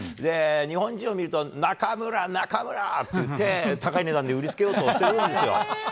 日本人を見ると、中村、中村って言って、高い値段で売りつけようとしてくるんですよ。